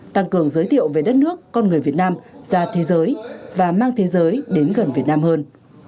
tăng cường giới thiệu về đất nước con người việt nam ra thế giới và mang thế giới đến gần việt nam hơn